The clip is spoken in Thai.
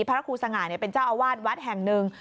พระครูสง่าเป็นเจ้าอาวาสวัดแห่งหนึ่ง